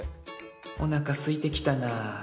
おなか、すいてきたな。